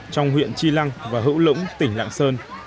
trong huyện chi lăng và hữu lũng tỉnh lạng sơn